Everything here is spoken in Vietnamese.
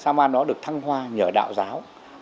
saman nó được thăng hoa nhờ đạo giáo